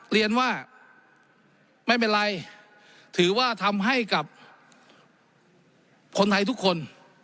เรียนว่าไม่เป็นไรถือว่าทำให้กับคนไทยทุกคน